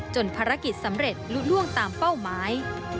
ภารกิจสำเร็จลุล่วงตามเป้าหมาย